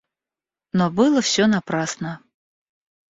Но было всё напрасно.